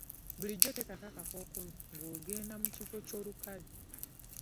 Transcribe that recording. Bulijjo teekako akakkookolo ng'ogenda mu kifo ekyolukale.